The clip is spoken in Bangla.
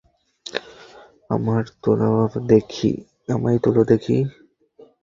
আমায় তোলো দেখি।